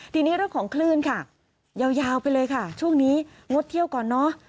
ทีนี้เรื่องของคลื่นค่ะยาวไปเลยค่ะช่วงนี้งดเที่ยวก่อนเนอะ